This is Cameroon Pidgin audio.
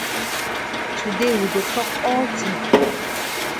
Today we go tok all tin.